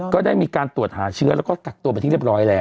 ก็ได้มีการตรวจหาเชื้อแล้วก็กักตัวไปที่เรียบร้อยแล้ว